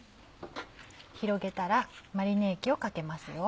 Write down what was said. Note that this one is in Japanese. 広げたらマリネ液をかけますよ。